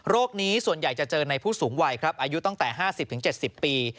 นี้ส่วนใหญ่จะเจอในผู้สูงวัยครับอายุตั้งแต่๕๐๗๐ปี